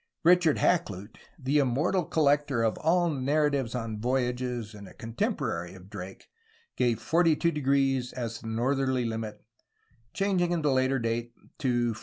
Richard Hakluyt, the immortal collector of narratives on voyages and a contemporary of Drake, gave 42° as the northerly limit, changing at a later time to 43°.